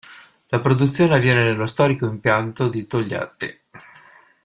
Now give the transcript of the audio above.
La produzione avviene nello storico impianto di Togliatti.